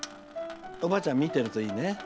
おばあちゃん見てるといいね。ね。